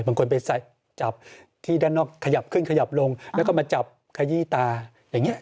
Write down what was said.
บางคนไปจับที่ด้านนอกขยับขึ้นขยับลงแล้วก็มาจับขยี้ตาอย่างนี้